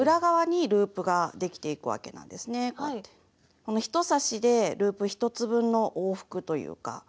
この１刺しでループ１つ分の往復というか。